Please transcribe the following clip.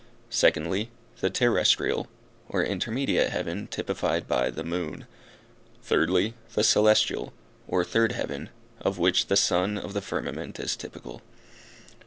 Secondly. The Terrestrial, or intermediate heaven, typified by the moon. Thirdly. The Celestial, or third heaven, of which the sun of the firmament is typical.